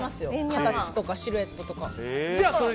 形とかシルエットとか。